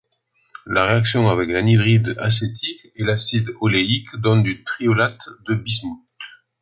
La réaction avec l'anhydride acétique et l'acide oléique donne du trioléate de bismuth.